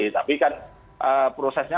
tapi kan prosesnya